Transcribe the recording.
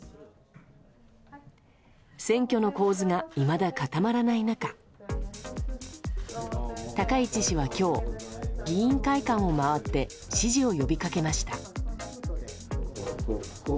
選挙の構図がいまだ固まらない中高市氏は今日、議員会館を回って支持を呼びかけました。